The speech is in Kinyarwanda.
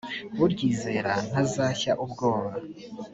uryizera ntazashya ubwoba